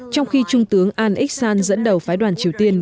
trong khi trung tướng ahn ik san dẫn đầu phái đoàn triều tiên